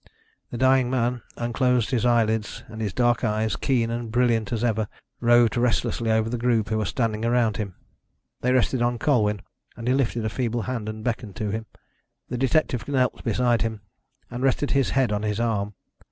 The dying man unclosed his eyelids, and his dark eyes, keen and brilliant as ever, roved restlessly over the group who were standing around him. They rested on Colwyn, and he lifted a feeble hand and beckoned to him. The detective knelt beside him, and rested his head on his arm.